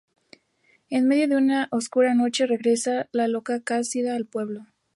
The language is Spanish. En medio de una oscura noche, regresa la loca Casilda al pueblo.